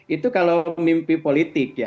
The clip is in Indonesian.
itu kalau mimpi politik ya